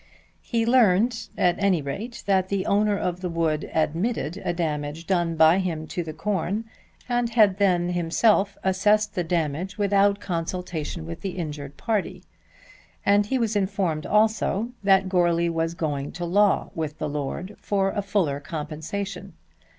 He learned at any rate that the owner of the wood admitted a damage done by him to the corn and had then, himself, assessed the damage without consultation with the injured party; and he was informed also that Goarly was going to law with the lord for a fuller compensation.